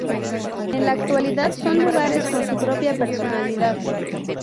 En la actualidad son lugares con su propia personalidad.